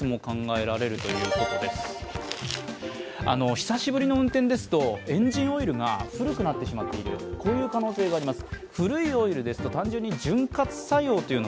久しぶりの運転ですとエンジンオイルが古くなってしまっている可能性があります。